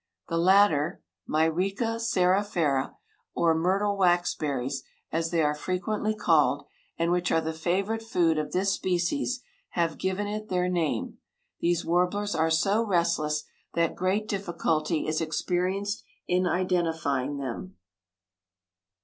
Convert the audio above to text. The latter (Myrica cerifera), or myrtle waxberries, as they are frequently called, and which are the favorite food of this species, have given it their name. These warblers are so restless that great difficulty is experienced in identifying them.